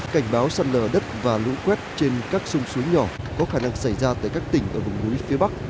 cảnh báo sạt lở đất và lũ quét trên các sông suối nhỏ có khả năng xảy ra tại các tỉnh ở vùng núi phía bắc